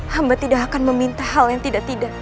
hamba tidak akan meminta hal yang tidak tidak